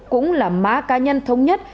cũng là má cá nhân thông nhất